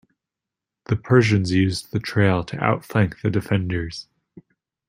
The Persians used the trail to outflank the defenders.